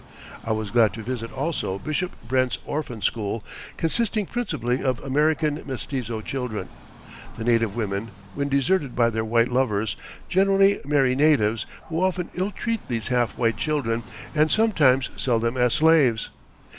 I was glad to visit also Bishop Brent's orphan school, consisting principally of American mestizo children. The native women, when deserted by their white lovers, generally marry natives, who often ill treat these half white children, and sometimes sell them as slaves.